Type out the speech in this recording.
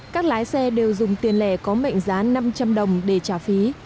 các lái xe đều dùng tiền lẻ có mệnh giá năm trăm linh đồng để trả phí